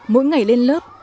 mỗi ngày lên lớp